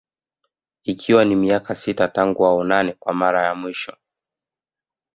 Ikiwa ni miaka sita tangu waonane kwa Mara ya mwisho